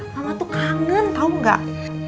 mama tuh kangen tau gak